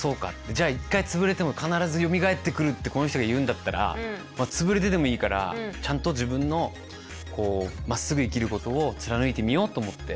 じゃあ一回つぶれても必ずよみがえってくるってこの人が言うんだったらつぶれてでもいいからちゃんと自分のこうまっすぐ生きることを貫いてみようと思って。